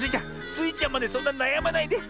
スイちゃんまでそんななやまないで。